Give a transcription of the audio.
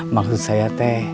maksud saya teh